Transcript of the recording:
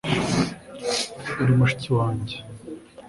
Uri mushiki wanjye